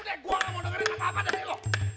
udah gua nggak mau dengerin apa apa dari lu